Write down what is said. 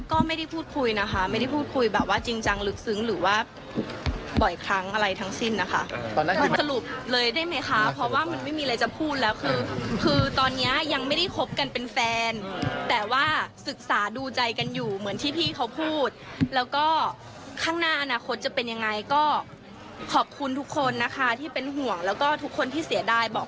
ก็ไม่ได้พูดคุยนะคะไม่ได้พูดคุยแบบว่าจริงจังลึกซึ้งหรือว่าบ่อยครั้งอะไรทั้งสิ้นนะคะตอนแรกมันสรุปเลยได้ไหมคะเพราะว่ามันไม่มีอะไรจะพูดแล้วคือคือตอนนี้ยังไม่ได้คบกันเป็นแฟนแต่ว่าศึกษาดูใจกันอยู่เหมือนที่พี่เขาพูดแล้วก็ข้างหน้าอนาคตจะเป็นยังไงก็ขอบคุณทุกคนนะคะที่เป็นห่วงแล้วก็ทุกคนที่เสียดายบอก